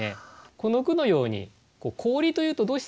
この句のように氷というとどうしても見るもの